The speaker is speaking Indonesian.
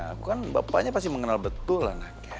aku kan bapaknya pasti mengenal betul anaknya